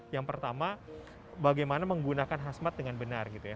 yang pertama bagaimana menggunakan khasmat dengan benar gitu ya